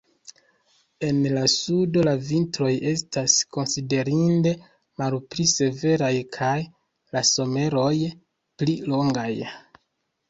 En la sudo la vintroj estas konsiderinde malpli severaj kaj la someroj pli longaj.